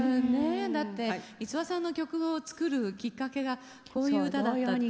だって五輪さんの曲を作るきっかけがこういう歌だったっていうのは。